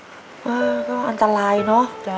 เออก็อันตรายเนอะ